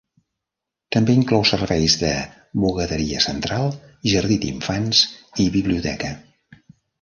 També inclou serveis de bugaderia central, jardí d'infants i biblioteca.